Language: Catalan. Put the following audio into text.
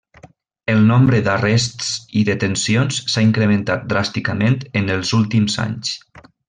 El nombre d'arrests i detencions s'ha incrementat dràsticament en els últims anys.